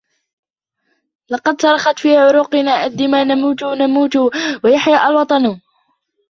لَقَدْ صَرَخَتْ فِي عُرُوقِنَا الدِّمَا نَمُوتُ نَمُوتُ وَيَحْيَا الْوَطَنْ